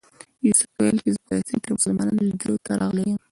یوسف ویل چې زه فلسطین ته د مسلمانانو لیدلو ته راغلی یم.